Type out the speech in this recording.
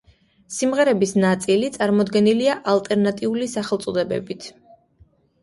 სიმღერების ნაწილი წარმოდგენილია ალტერნატიული სახელწოდებებით.